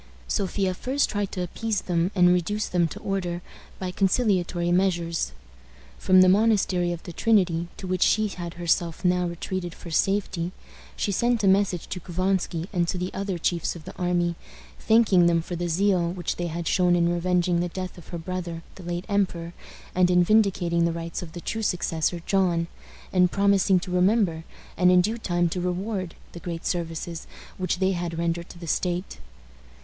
Sophia first tried to appease them and reduce them to order by conciliatory measures. From the Monastery of the Trinity, to which she had herself now retreated for safety, she sent a message to Couvansky and to the other chiefs of the army, thanking them for the zeal which they had shown in revenging the death of her brother, the late emperor, and in vindicating the rights of the true successor, John, and promising to remember, and in due time to reward, the great services which they had rendered to the state.